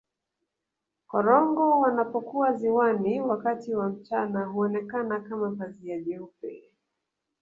korongo wanapokuwa ziwani wakati wa mchana huonekana kama pazia jeupe